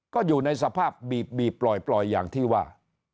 ก็อยู่ในสภาพบีบปล่อยอย่างที่ว่า